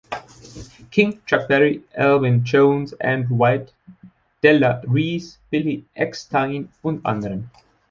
King, Chuck Berry, Elvin Jones, Andrew White, Della Reese, Billy Eckstine und anderen.